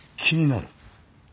気になる？